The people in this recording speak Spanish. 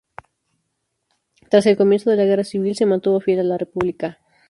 Tras el comienzo de la Guerra civil se mantuvo fiel a la República.